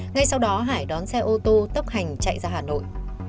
ngay sau đó hải đón xe ô tô tốc hành chạy ra hà nội